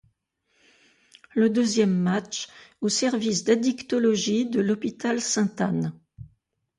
Le deuxième match, au service d'addictologie de l'hôpital Sainte Anne.